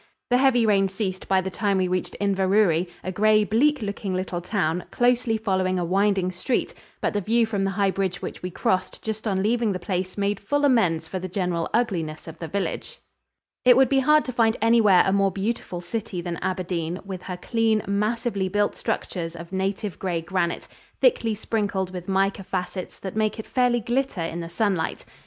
The heavy rain ceased by the time we reached Inverurie, a gray, bleak looking little town, closely following a winding street, but the view from the high bridge which we crossed just on leaving the place made full amends for the general ugliness of the village. [Illustration: TOWERS OF ELGIN CATHEDRAL, NORTH SCOTLAND.] It would be hard to find anywhere a more beautiful city than Aberdeen, with her clean, massively built structures of native gray granite, thickly sprinkled with mica facets that make it fairly glitter in the sunlight.